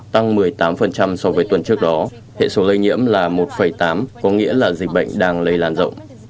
tăng một mươi tám so với tuần trước đó hệ số lây nhiễm là một tám có nghĩa là dịch bệnh đang lây lan rộng